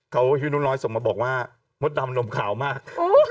เขาชื่อนุ่นน้อยส่งมาบอกว่ามดดำนมขาวมาก